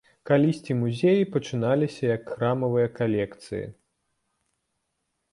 Калісьці музеі пачыналіся як храмавыя калекцыі.